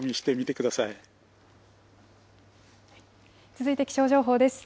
続いて気象情報です。